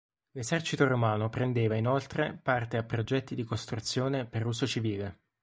L'esercito romano prendeva, inoltre, parte a progetti di costruzione per uso civile.